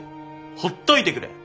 ほっといてくれ！